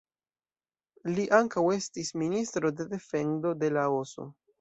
Li ankaŭ estis Ministro de Defendo de Laoso.